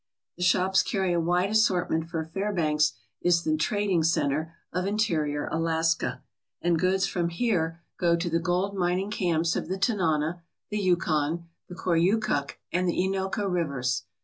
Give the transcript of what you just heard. The shops carry a wide assortment, for Fairbanks is the trading centre of interior Alaska, 139 ALASKA OUR NORTHERN WONDERLAND and goods from here go to the gold mining camps of the Tanana, the Yukon, the Koyukuk, and the Innoka rivers.